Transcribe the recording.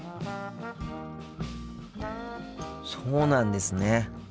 そうなんですね。